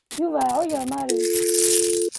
Yuba iεuyer Mary.